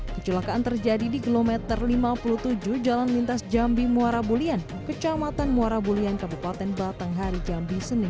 kecelakaan terjadi di kilometer lima puluh tujuh jalan lintas jambi muara bulian kecamatan muara bulian kabupaten batanghari jambi senin